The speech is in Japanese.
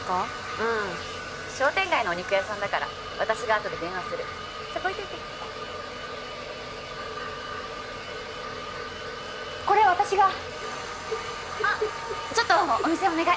うん商店街のお肉屋さんだから私があとで電話するそこ置いといてこれ私がちょっとお店お願い